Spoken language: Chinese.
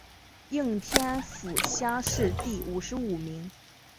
应天府乡试第五十五名。